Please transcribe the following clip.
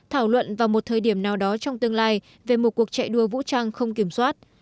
thảo luận vào một thời điểm nào đó trong tương lai về một cuộc chạy đua vũ trang không kiểm soát